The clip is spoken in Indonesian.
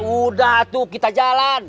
udah tuh kita jalan